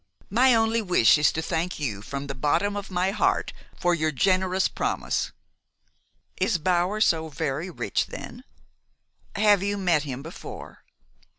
My only wish is to thank you from the bottom of my heart for your generous promise." "Is Bower so very rich then? Have you met him before?"